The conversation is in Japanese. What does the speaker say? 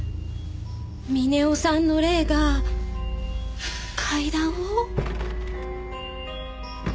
峰夫さんの霊が階段を？